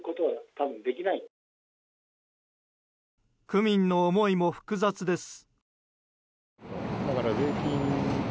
区民の思いも複雑です。